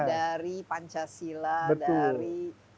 dari pancasila dari